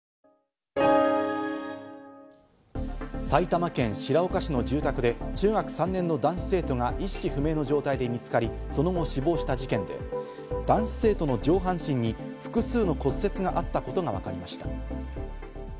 埼玉県白岡市の住宅で中学３年の男子生徒が意識不明の状態で見つかり、その後、死亡した事件で男子生徒の上半身に複数の骨折があったことがわかりました。